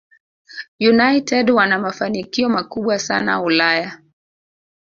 united wana mafanikio makubwa sana Ulaya